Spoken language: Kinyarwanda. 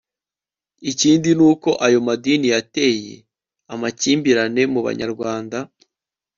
ikindi n'uko ayo madini yateye amakimbirane mu banyarwanda